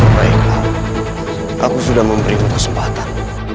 baiklah aku sudah memberi kesempatan